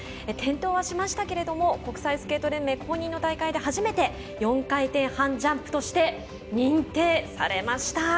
転倒はしましたが国際スケート連盟公認の大会で初めて４回転半ジャンプとして認定されました。